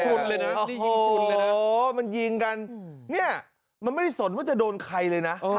โอ้โหมันยิงกันนี่มันไม่สนว่าจะโดนใครเลยนะ